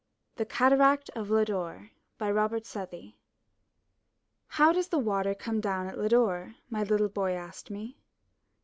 THE CATARACT OF LODORE Robert Southey *'How does the water Come down at Lodore?'' My little boy asked me.